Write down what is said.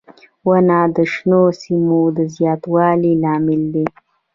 • ونه د شنو سیمو د زیاتوالي لامل دی.